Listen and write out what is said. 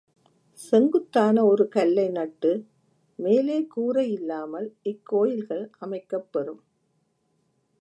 செங்குத்தான ஒரு கல்லை நட்டு, மேலே கூரையில்லாமல் இக் கோயில்கள் அமைக்கப் பெறும்.